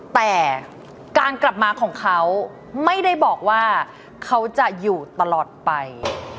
แต่การกลับมาของเขาไม่ได้บอกว่าเขาจะอยู่ตลอดไป